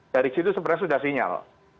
dari situ sebenarnya sudah sinyal